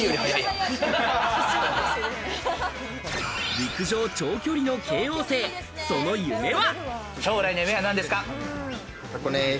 陸上長距離の慶應生、その夢は？